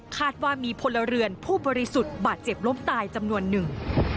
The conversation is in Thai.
คาดว่ามีพลเรือนผู้บริสุทธิ์บาดเจ็บล้มตายจำนวนหนึ่ง